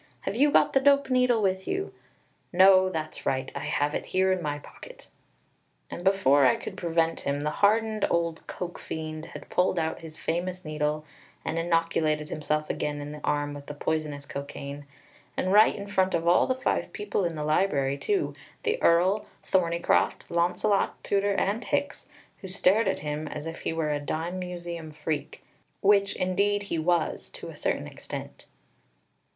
Have you got the dope needle with you? No, that's right, I have it here in my pocket." And before I could prevent him, the hardened old "coke" fiend had pulled out his famous needle and inoculated himself again in the arm with the poisonous cocaine, and right in front of all the five people in the library, too, the Earl, Thorneycroft, Launcelot, Tooter, and Hicks, who stared at him as if he were a dime museum freak; which indeed he was, to a certain extent.